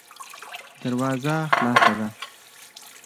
دروازه خلاصه ده.